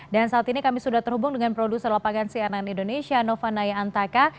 dan saat ini kami sudah terhubung dengan produser lapangan cnn indonesia nova naya antaka